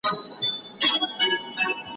په حيرت حيرت يې وكتل مېزونه